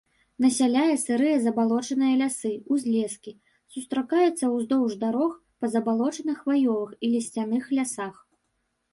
Насяляе сырыя забалочаныя лясы, узлескі, сустракаецца ўздоўж дарог па забалочаных хваёвых і лісцяных лясах.